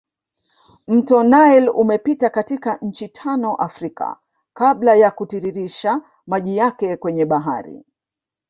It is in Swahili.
Mto nile umepita katika nchi tano Afrika kabla ya kutiririsha maji yake kwenye bahari